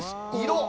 色？